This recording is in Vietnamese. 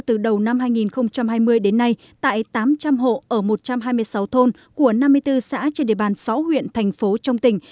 từ đầu năm hai nghìn hai mươi đến nay tại tám trăm linh hộ ở một trăm hai mươi sáu thôn của năm mươi bốn xã trên địa bàn sáu huyện thành phố trong tỉnh